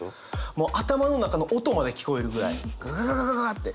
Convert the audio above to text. もう頭の中の音まで聞こえるぐらいガガガガガって。